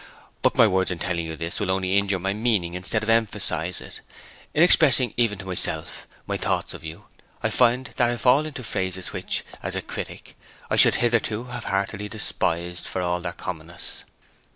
But my words in telling you this will only injure my meaning instead of emphasize it. In expressing, even to myself, my thoughts of you, I find that I fall into phrases which, as a critic, I should hitherto have heartily despised for their commonness.